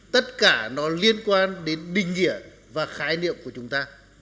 tất cả nó liên quan đến định nghĩa và khái niệm của chúng ta